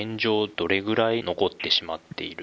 どれぐらい残ってしまっている？